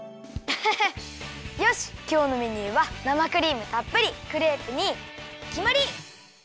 アハハよしきょうのメニューは生クリームたっぷりクレープにきまり！